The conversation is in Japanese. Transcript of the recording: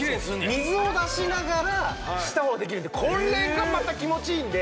水を出しながら舌をできるんでこれがまた気持ちいいんで。